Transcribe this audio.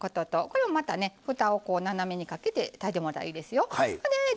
これもまたねふたを斜めにかけて炊いてもらうといいですよ。